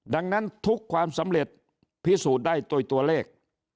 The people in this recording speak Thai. ดังนั้นทุกความสำเร็จพิสูจน์ได้โดยตัวเลข